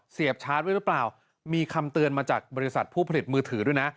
ชาร์จไว้หรือเปล่ามีคำเตือนมาจากบริษัทผู้ผลิตมือถือด้วยนะ